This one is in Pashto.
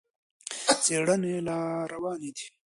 څېړنې لا روانې دي.